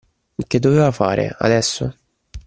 Che doveva fare, adesso?